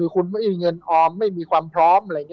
คุณมีเงินออมไม่มีความพร้อม